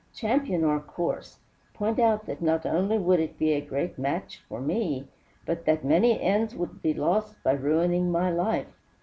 Champion our course, point out that not only would it be a great match for me, but that many ends would be lost by ruining my life.